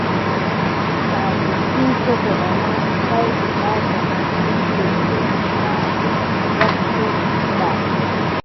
Kine takisoya soko bana pay kedaba def metikut wake sok def.